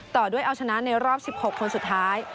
ต่อด้วยเอาชนะในรอบ๑๖คนสุดท้าย